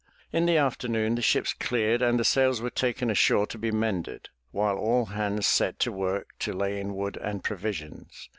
In the afternoon the ships cleared and the sails were taken ashore to be mended, while all hands set to work to lay in wood and provisions.